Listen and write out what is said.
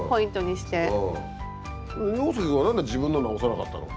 洋輔君は何で自分の直さなかったの？